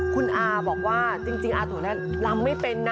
คุณอาบอกว่าจริงอาถั่วแรกรำไม่เป็นนะ